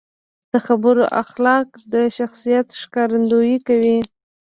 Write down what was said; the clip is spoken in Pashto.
د خبرو اخلاق د شخصیت ښکارندويي کوي.